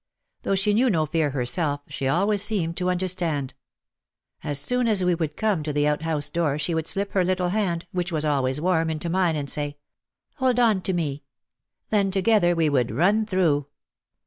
Though she knew no fear herself, she always seemed to understand. As soon as we would come to the out house door she would slip her little hand, which was always warm, into mine and say, "Hold on to me!" Then together we would run through.